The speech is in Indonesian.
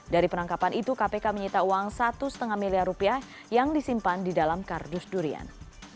dari penangkapan itu kpk menyita uang satu lima miliar rupiah yang disimpan di dalam kardus durian